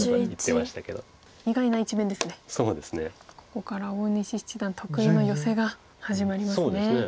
ここから大西七段得意のヨセが始まりますね。